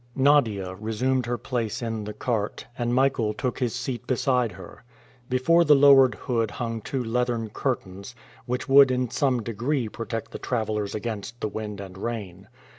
Nadia resumed her place in the cart, and Michael took his seat beside her. Before the lowered hood hung two leathern curtains, which would in some degree protect the travelers against the wind and rain.